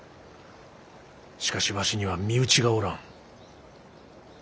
しかしわしには身内がおらん。